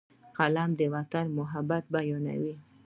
قلم د وطن محبت بیانوي